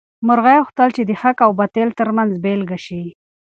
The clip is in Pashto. مرغۍ غوښتل چې د حق او باطل تر منځ بېلګه شي.